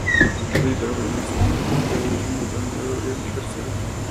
Bill abre una segunda tienda, y tiene planeado abrir una tercera.